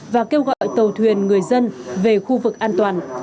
và kêu gọi tàu thuyền người dân về khu vực an toàn